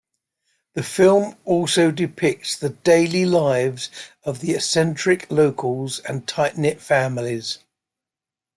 The film also depicts the daily lives of the eccentric locals and tight-knit families.